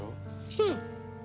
うん。